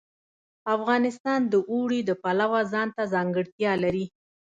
افغانستان د اوړي د پلوه ځانته ځانګړتیا لري.